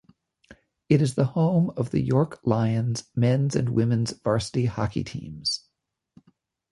It is the home of the York Lions men's and women's varsity hockey teams.